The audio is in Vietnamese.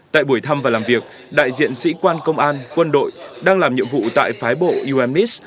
tại buổi thăm và làm việc đại diện sĩ quan công an quân đội đang làm nhiệm vụ tại phái bộ unmis